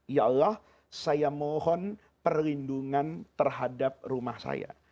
ya allah saya mohon perlindungan terhadap rumah saya